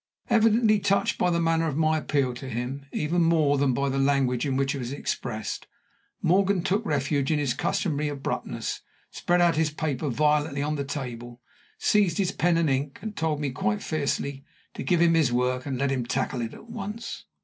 Evidently touched by the manner of my appeal to him even more than by the language in which it was expressed, Morgan took refuge in his customary abruptness, spread out his paper violently on the table, seized his pen and ink, and told me quite fiercely to give him his work and let him tackle it at once.